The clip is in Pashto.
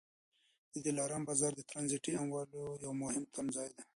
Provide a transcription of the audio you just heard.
د دلارام بازار د ټرانزیټي اموالو یو مهم تمځای دی.